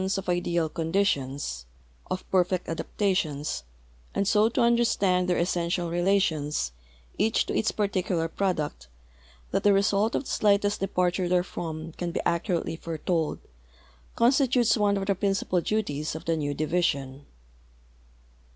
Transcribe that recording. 'i 400 STATISTICS OF RAILWAYS IX THE UXITED SIATES ideal conditions — of perfect adaptations — and so to understand their essential relations, each to its particular product, that the result of the slightest departure therefrom can l)e accurately fore told constitutes one of the ])rincipal duties of the new division.